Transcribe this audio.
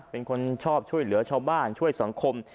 เป็นคนชอบช่วยเหลือชาวบ้านช่วยสังคม